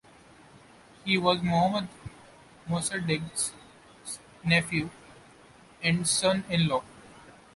He was Mohammad Mosaddegh's nephew and son-in-law.